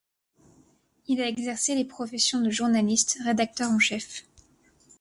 Il a exercé les professions de journaliste, rédacteur en chef.